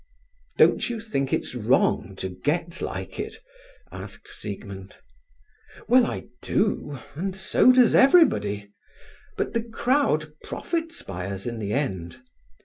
"Don't you think it's wrong to get like it?" asked Siegmund. "Well, I do, and so does everybody; but the crowd profits by us in the end.